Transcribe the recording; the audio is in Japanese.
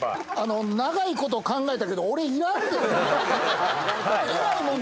長いこと考えたけど、俺いらんで。